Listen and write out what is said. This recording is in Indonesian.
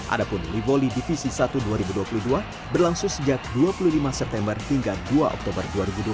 adapun livoli divisi satu dua ribu dua puluh dua berlangsung sejak dua puluh lima september hingga dua oktober dua ribu dua puluh